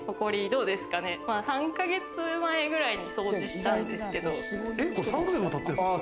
どうですかね、３か月前くらいに掃除したんですけど。